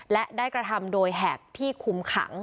และได้กระทำโดยแหกที่คุมขัง